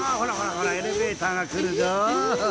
ほらエレベーターがくるぞ。